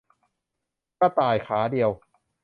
กระต่ายขาเดียว